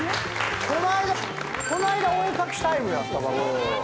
この間お絵描きタイムやったばっか。